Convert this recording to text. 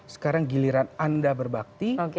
sekarang giliran anda berbakti